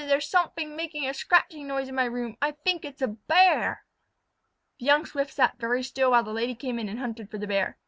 There is somefing making a scratching noise in my room. I fink it is a Bear." The young Swift sat very still while the Lady came in and hunted for the Bear.